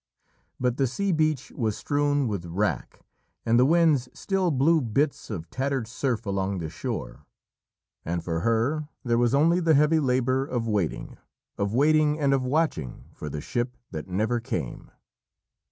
But the sea beach was strewn with wrack and the winds still blew bits of tattered surf along the shore, and for her there was only the heavy labour of waiting, of waiting and of watching for the ship that never came.